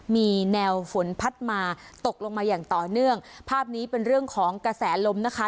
มีแนวฝนพัดมาตกลงมาอย่างต่อเนื่องภาพนี้เป็นเรื่องของกระแสลมนะคะ